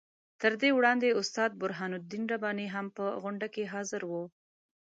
تر دې وړاندې استاد برهان الدین رباني هم په غونډه کې حاضر وو.